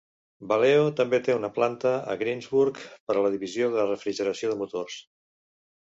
Valeo també té una planta a Greensburg per la divisió de refrigeració de motors.